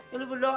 ya lo berdoa